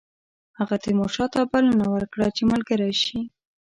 هغه تیمورشاه ته بلنه ورکړه چې ملګری شي.